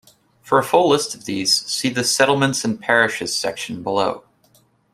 For a full list of these, see the "Settlements and parishes" section below.